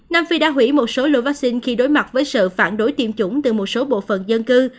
nam phi đã hủy một số lô vaccine khi đối mặt với sự phản đối tiêm chủng từ một số bộ phận dân cư